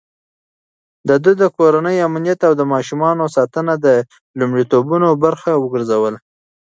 ده د کورنۍ امنيت او د ماشومانو ساتنه د لومړيتوبونو برخه وګرځوله.